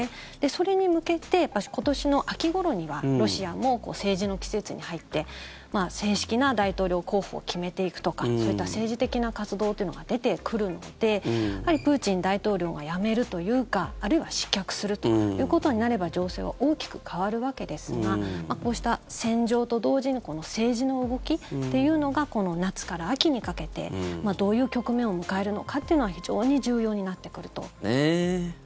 それに向けて、今年の秋ごろにはロシアも政治の季節に入って正式な大統領候補を決めていくとかそういった政治的な活動というのが出てくるのでやはりプーチン大統領が辞めると言うかあるいは失脚するということになれば情勢は大きく変わるわけですがこうした戦場と同時に政治の動きっていうのがこの夏から秋にかけてどういう局面を迎えるのかっていうのは非常に重要になってくると。